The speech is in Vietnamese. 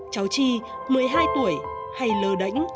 cháu chi một mươi hai tuổi hay lờ đờ